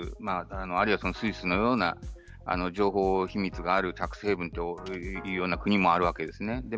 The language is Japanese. あるいは、スイスのような情報秘密があるタックスヘブンという国もあるわけですね。